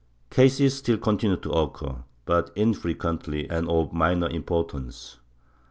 Cases still continued to occur, but infrequently and of minor importance.